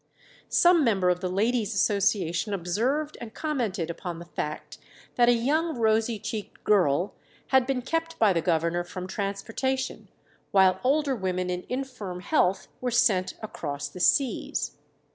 Some member of the Ladies' Association observed and commented upon the fact that a "young rosy cheeked girl" had been kept by the governor from transportation, while older women in infirm health were sent across the seas.